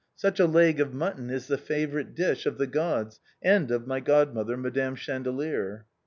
Such a leg of mutton is the favorite dish of the gods, and of my godmother, Madame Chandelier."